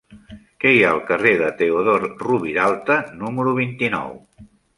Què hi ha al carrer de Teodor Roviralta número vint-i-nou?